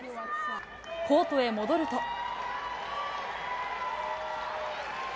コートへ戻ると。